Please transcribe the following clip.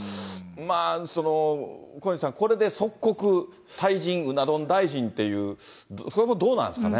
まあ、その、小西さん、これで即刻退陣、うな丼大臣っていう、それもどうなんですかね。